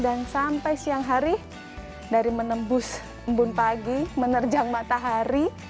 dan sampai siang hari dari menembus mbun pagi menerjang matahari